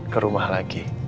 ke rumah lagi